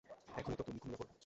এখনই তো তুমি ঘুমিয়ে পড়বে।